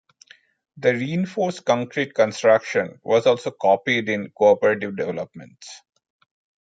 The reinforced concrete construction was also copied in cooperative developments.